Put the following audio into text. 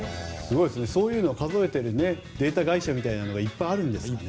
そういうの数えているデータ会社みたいなのがいっぱいあるんですね。